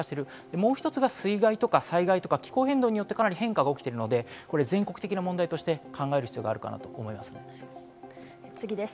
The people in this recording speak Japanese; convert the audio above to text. もう一つは水害、災害、気候変動によってかなり変化が起きているので、全国的な問題として考える必要があると思います。